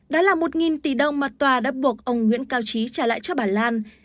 đó là một tỷ đồng mà tòa đã buộc ông nguyễn cao trí trả lại cho bà lan